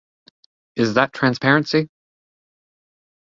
Is that transparency?